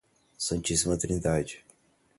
Santíssima Trindade